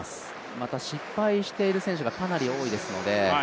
また失敗している選手がかなり多いですので、